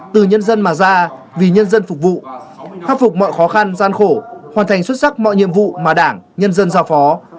từ nhân dân mà ra vì nhân dân phục vụ khắc phục mọi khó khăn gian khổ hoàn thành xuất sắc mọi nhiệm vụ mà đảng nhân dân giao phó